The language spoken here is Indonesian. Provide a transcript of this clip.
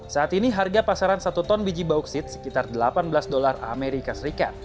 saat ini harga pasaran satu ton biji bauksit sekitar delapan belas dolar as